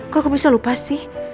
kok aku bisa lupa sih